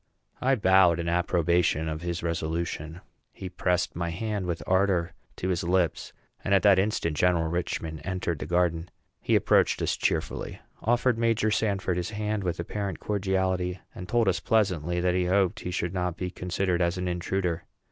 I bowed in approbation of his resolution. He pressed my hand with ardor to his lips; and at that instant General Richman entered the garden. He approached us cheerfully, offered Major Sanford his hand with apparent cordiality, and told us pleasantly that he hoped he should not be considered as an intruder.